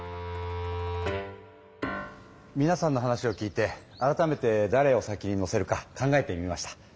みなさんの話を聞いて改めてだれを先に乗せるか考えてみました。